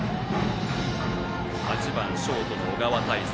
８番ショートの小川大地。